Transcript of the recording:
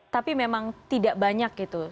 tapi memang tidak banyak itu